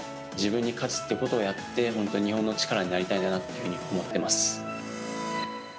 自分に勝つということをやって、本当に日本の力になりたいなというふうに思ってます。